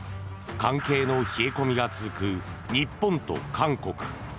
関係の冷え込みが続く日本と韓国。